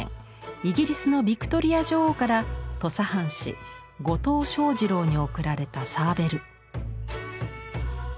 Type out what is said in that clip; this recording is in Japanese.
イギリスのビクトリア女王から土佐藩士後藤象二郎に贈られたサーベル。